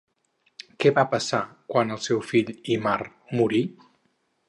Què va passar quan el seu fill Ímar morí?